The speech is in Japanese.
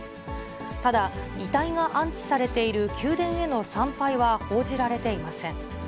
ただ、遺体が安置されている宮殿への参拝は報じられていません。